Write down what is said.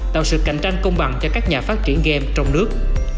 tạo sự cạnh tranh công bằng cho các nhà phát triển game trong nước